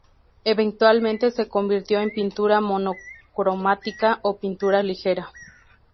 Eventualmente se convirtió en pintura monocromática o pintura ligera.